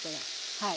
はい。